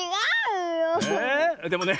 えでもね